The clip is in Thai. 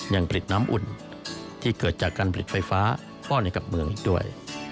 ยังผลิตน้ำอุ่นที่เกิดจากการผลิตไฟฟ้าซ่อนให้กับเมืองอีกด้วย